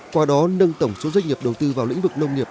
qua đó nâng tổng số doanh nghiệp đầu tư vào lĩnh vực nông nghiệp